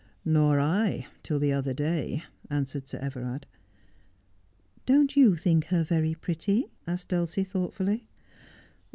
' Nor I, till the other day,' answered Sir Everard. 'Don't you think her very pretty?' asked Dulcie thought fully.